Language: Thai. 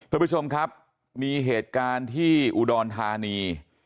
คุณผู้ชมครับมีเหตุการณ์ที่อุดรธานี